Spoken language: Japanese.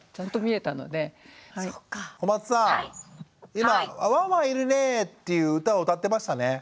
今「あわんわんいるね」っていう歌を歌ってましたね。